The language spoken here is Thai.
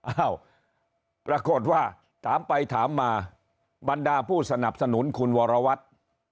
อ้าวปรากฏว่าถามไปถามมาบรรดาผู้สนับสนุนคุณวรวัตร